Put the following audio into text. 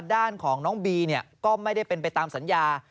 ด้านของน้องบีก็ไม่ได้เป็นไปตามสัญญา